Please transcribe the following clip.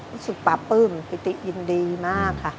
รู้สึกปราบปลื้มปิติยินดีมากค่ะ